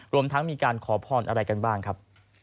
รวมทั้งมีการขอพรอะไรกันบ้างครับ